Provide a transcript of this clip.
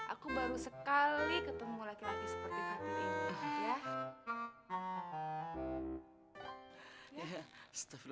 aku baru sekali ketemu laki laki seperti saat ini